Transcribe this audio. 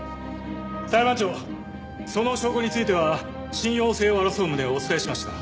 裁判長その証拠については信用性を争う旨をお伝えしました。